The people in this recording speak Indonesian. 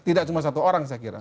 tidak cuma satu orang saya kira